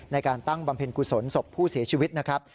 ตั้งบำเพ็ญกุศลศพผู้เสียชีวิตนะครับ